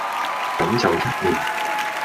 咁就一年